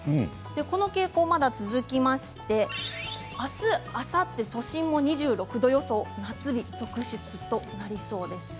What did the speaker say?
この傾向は、まだ続きまして明日、あさっては都心も２６度予想夏日続出となりそうです。